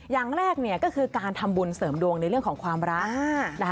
อย่างแรกก็คือการทำบุญเสริมดวงในเรื่องของความรัก